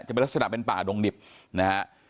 จะเป็นลักษณะเป็นป่าดงดิบนะฮะ